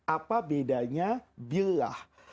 apa bedanya bilah